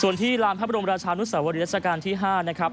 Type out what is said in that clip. ส่วนที่ลานพระบรมราชานุสวรีรัชกาลที่๕นะครับ